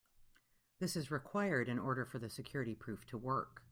This is required in order for the security proof to work.